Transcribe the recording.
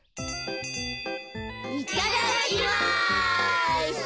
いただきます！